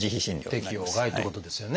適用外ってことですよね。